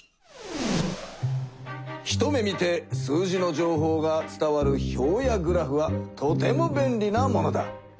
一目見て数字の情報が伝わる表やグラフはとてもべんりなものだ。